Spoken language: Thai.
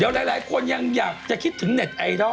หลายคนยังอยากจะคิดถึงเน็ตไอดอล